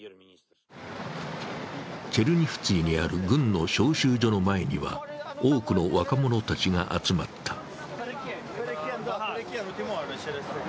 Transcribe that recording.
チェルニフツィにある軍の招集所の前には多くの若者たちが集まった。